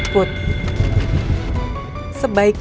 put sebaiknya ibu tidak bisa lihat kamu put